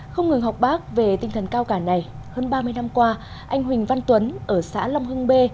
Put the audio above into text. không ngừng học bác về tinh thần cao cả này hơn ba mươi năm qua anh huỳnh văn tuấn ở xã long hưng bê